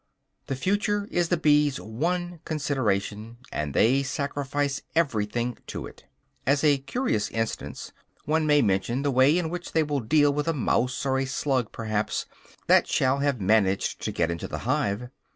The future is the bees' one consideration, and they sacrifice everything to it. As a curious instance, one may mention the way in which they will deal with a mouse, or a slug perhaps, that shall have managed to get into the hive.